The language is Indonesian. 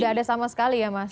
tidak ada sama sekali ya mas